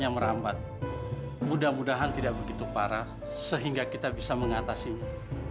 mudah mudahan tidak begitu parah sehingga kita bisa mengatasinya